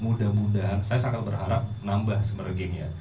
mudah mudahan saya sangat berharap menambah semuanya